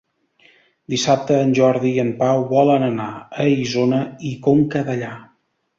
Dissabte en Jordi i en Pau volen anar a Isona i Conca Dellà.